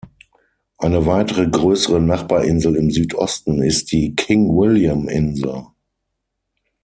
Eine weitere größere Nachbarinsel im Südosten ist die King-William-Insel.